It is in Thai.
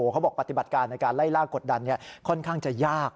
ปฏิบัติการในการไล่ล่ากดดันค่อนข้างจะยาก